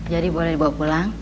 jadi boleh dibawa pulang